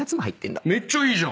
めっちゃいいじゃん！